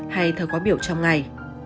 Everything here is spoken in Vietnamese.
hay thời khóa biểu trong ngày